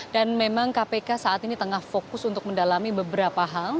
dan memang kpk saat ini tengah fokus untuk mendalami beberapa hal